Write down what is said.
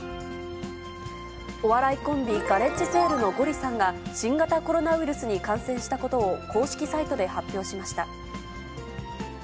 お笑いコンビ、ガレッジセールのゴリさんが、新型コロナウイルスに感染したことを公式サイトで発表しました。